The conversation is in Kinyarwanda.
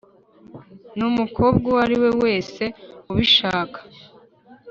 n’umukobwa uwo ariwe wese ubishaka